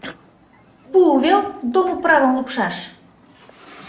Пу вел домуправым лупшаш.